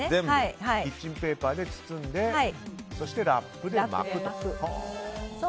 キッチンペーパーで包んでそしてラップで巻くと。